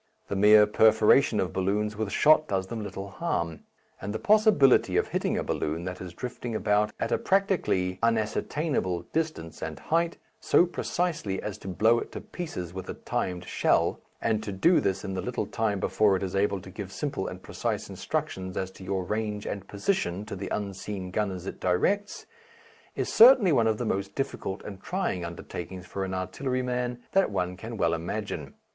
The mere perforation of balloons with shot does them little harm, and the possibility of hitting a balloon that is drifting about at a practically unascertainable distance and height so precisely as to blow it to pieces with a timed shell, and to do this in the little time before it is able to give simple and precise instructions as to your range and position to the unseen gunners it directs, is certainly one of the most difficult and trying undertakings for an artilleryman that one can well imagine.